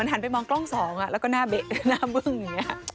หันไปมองกล้อง๒แล้วก็หน้าเบะหน้าบึ้งอย่างนี้